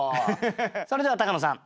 それでは高野さん